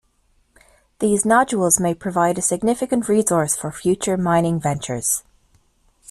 These nodules may provide a significant resource for future mining ventures.